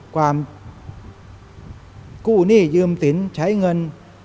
กู้หนี้ยืมสินใช้เงิน